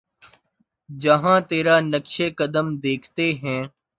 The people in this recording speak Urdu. جہاں تیرا نقشِ قدم دیکھتے ہیں